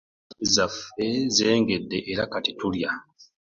Empafu zaffe zengedde era kati tulya.